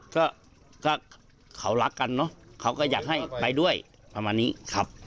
ก็ก็เขารักกันเนอะเขาก็อยากให้ไปด้วยประมาณนี้ครับ